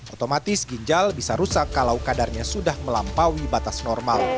otomatis ginjal bisa rusak kalau kadarnya sudah melampaui batas normal